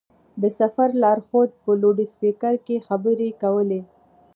د سفر لارښود په لوډسپېکر کې خبرې کولې.